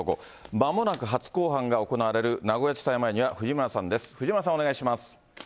まもなく初公判が行われる名古屋地裁前には、藤村さんです。